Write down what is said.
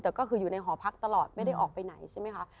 แต่ก็คืออยู่ในหอพักตลอดไม่ได้ออกไปไหนใช่ไหมคะ